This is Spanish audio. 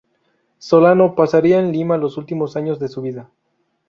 Solano pasaría en Lima los últimos años de su vida.